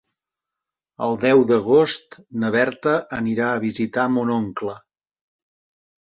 El deu d'agost na Berta anirà a visitar mon oncle.